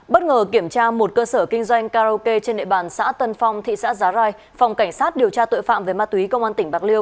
bất ngờ kiểm tra một cơ sở kinh doanh karaoke trên địa bàn xã tân phong thị xã giá rai phòng cảnh sát điều tra tội phạm về ma túy công an tỉnh bạc liêu